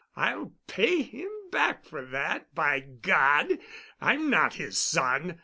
I'll pay him back for that, by God! I'm not his son.